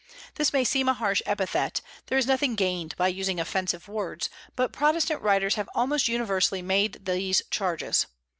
This may seem a harsh epithet; there is nothing gained by using offensive words, but Protestant writers have almost universally made these charges.